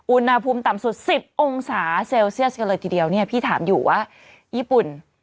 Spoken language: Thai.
อุณหภูมิต่ำสุด๑๐องศาเซลเซียสกันเลยทีเดียวเนี่ยพี่ถามอยู่ว่าญี่ปุ่น